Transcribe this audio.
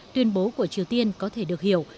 tuyên bố của triều tiên có thể được hiểu